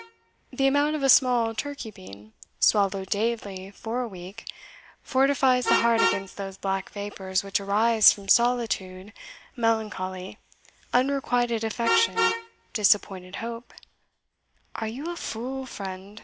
The amount of a small turkey bean, swallowed daily for a week, fortifies the heart against those black vapours which arise from solitude, melancholy, unrequited affection, disappointed hope " "Are you a fool, friend?"